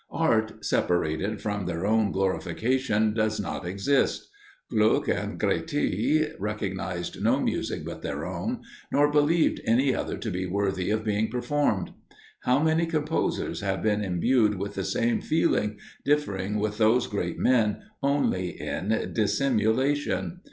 Art, separated from their own glorification, does not exist. Gluck and Grétry recognized no music but their own, nor believed any other to be worthy of being performed. How many composers have been imbued with the same feeling, differing with those great men only in dissimulation!